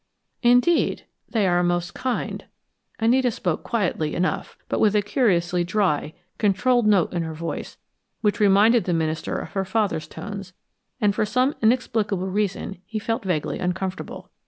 "Indeed? They are most kind " Anita spoke quietly enough, but with a curiously dry, controlled note in her voice which reminded the minister of her father's tones, and for some inexplicable reason he felt vaguely uncomfortable.